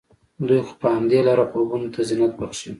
دوی خو په همدې لاره خوبونو ته زينت بښي